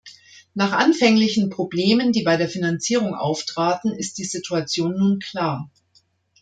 Nach anfänglichen Problemen, die bei der Finanzierung auftraten, ist die Situation nun klar.